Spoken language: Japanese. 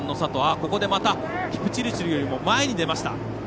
ここで、またキプチルチルよりも前に出ました。